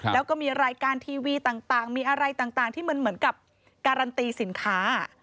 แล้วก็มีรายการทีวีต่างมีอะไรต่างที่มันเหมือนกับการันตีสินค้า